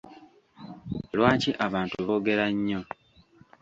Lwaki abantu boogera nnyo?